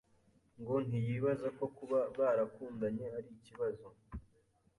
ngo ntiyibaza ko kuba barakundanye ari ikibazo